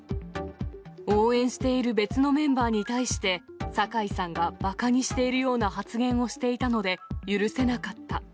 応援している別のメンバーに対して、酒井さんがばかにしているような発言をしていたので、許せなかった。